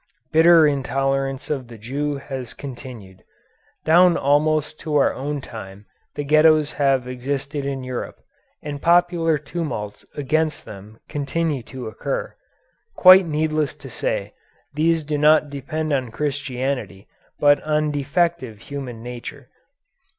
Bitter intolerance of the Jew has continued. Down almost to our own time the Ghettos have existed in Europe, and popular tumults against them continue to occur. Quite needless to say, these do not depend on Christianity, but on defective human nature.